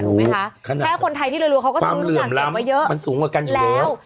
ไหมคะแค่คนไทยที่รวยเขาก็ซื้อทุกอย่างเก็บไว้เยอะมันสูงกว่ากันอยู่แล้ว